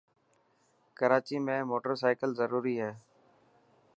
ڪراچي ۾ موٽر سائيڪل ضروري هي.